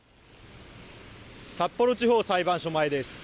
札幌地方裁判所前です。